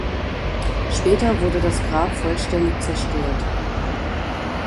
Später wurde das Grab vollständig zerstört.